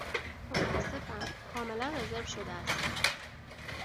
متأسفم، کاملا رزرو شده است.